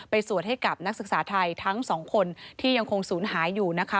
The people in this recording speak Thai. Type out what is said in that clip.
สวดให้กับนักศึกษาไทยทั้งสองคนที่ยังคงศูนย์หายอยู่นะคะ